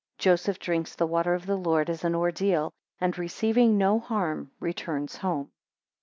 17 Joseph drinks the water of the Lord as an ordeal, and receiving no harm, returns home.